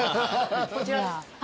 こちらです。